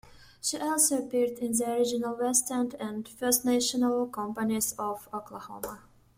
She also appeared in the original West End and first national companies of Oklahoma!